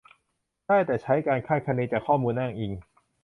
ได้แต่ใช้การคาดคะเนจากข้อมูลอ้างอิง